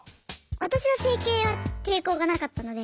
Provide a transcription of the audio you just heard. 私は整形は抵抗がなかったので。